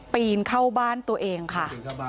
ปีนเข้าบ้านตัวเองค่ะ